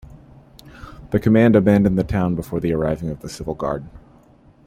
The command abandoned the town before the arriving of the Civil Guard.